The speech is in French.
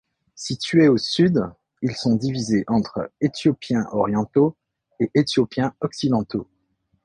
Situés au sud ils sont divisés entre Éthiopiens orientaux et Éthiopiens occidentaux.